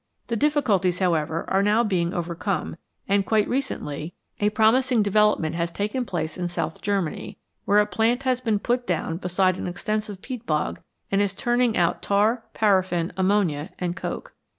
The difficulties, however, are now being over come, and quite recently a promising development has 149 MORE ABOUT FUEL taken place in South Germany, where a plant has been put down beside an extensive peat bog, and is turning out tar, paraffin, ammonia, and coke.